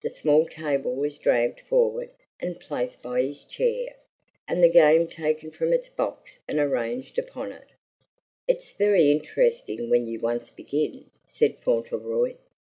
The small table was dragged forward and placed by his chair, and the game taken from its box and arranged upon it. "It's very interesting when you once begin," said Fauntleroy.